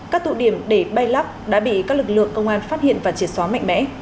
các tụ điểm để bay lắc đã bị các lực lượng công an phát hiện và triệt xóa mạnh mẽ